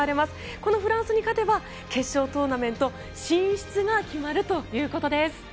このフランスに勝てば決勝トーナメント進出が決まるということです。